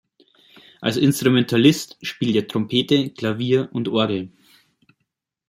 Als Instrumentalist spielt er Trompete, Klavier und Orgel.